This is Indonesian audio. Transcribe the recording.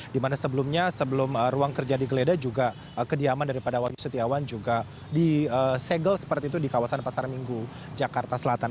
dimana sebelumnya sebelum ruang kerja digeledah juga kediaman daripada wahyu setiawan juga disegel seperti itu di kawasan pasar minggu jakarta selatan